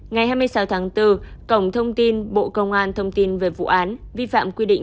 ngày hai mươi sáu tháng bốn cổng thông tin bộ công an thông tin về vụ án vi phạm quy định